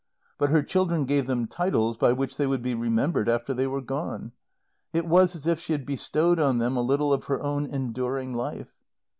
But her children gave them titles by which they would be remembered after they were gone. It was as if she had bestowed on them a little of her own enduring life.